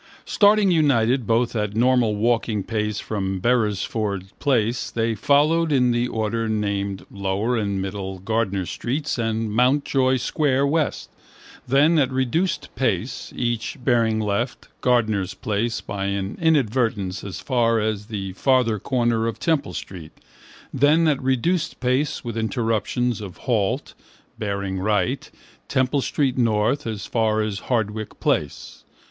Starting united both at normal walking pace from Beresford place they followed in the order named Lower and Middle Gardiner streets and Mountjoy square, west: then, at reduced pace, each bearing left, Gardiner's place by an inadvertence as far as the farther corner of Temple street: then, at reduced pace with interruptions of halt, bearing right, Temple street, north, as far as Hardwicke place.